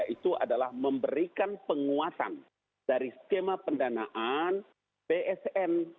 itu adalah memberikan penguatan dari skema pendanaan bsn